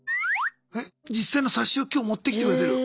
え実際の冊子を今日持ってきてくれてる。